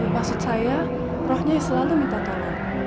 maksud saya rohnya selalu minta tolong